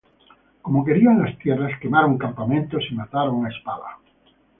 Como querían las tierras, quemaron campamentos y mataron a espada.